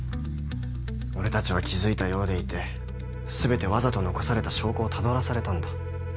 俺たちは気付いたようでいて全てわざと残された証拠をたどらされたんだ。